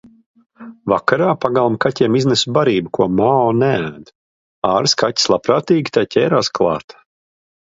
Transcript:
Vakarā pagalma kaķiem iznesu barību, ko Mao neēd. Āras kaķis labprātīgi tai ķērās klāt.